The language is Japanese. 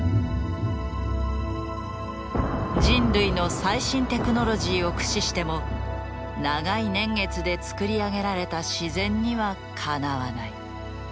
人類の最新テクノロジーを駆使しても長い年月でつくり上げられた自然にはかなわない。